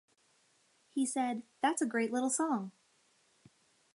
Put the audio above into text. He said: 'That's a great little song.